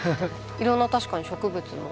いろんな確かに植物の。